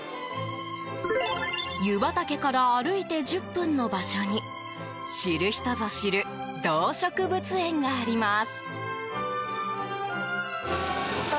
湯畑から歩いて１０分の場所に知る人ぞ知る動植物園があります。